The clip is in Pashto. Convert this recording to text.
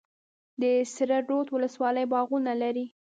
د سره رود ولسوالۍ باغونه لري